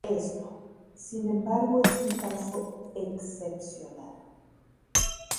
Esto, sin embargo es un caso excepcional.